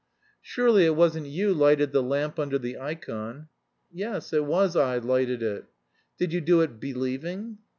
"Surely it wasn't you lighted the lamp under the ikon?" "Yes, it was I lighted it." "Did you do it believing?"